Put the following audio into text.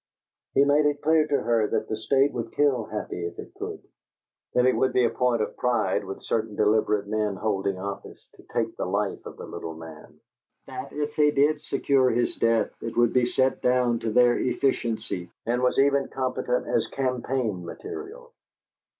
He made it clear to her that the State would kill Happy if it could; that it would be a point of pride with certain deliberate men holding office to take the life of the little man; that if they did secure his death it would be set down to their efficiency, and was even competent as campaign material.